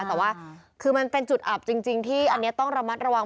แต่ว่าคือมันเป็นจุดอับจริงที่อันนี้ต้องระมัดระวัง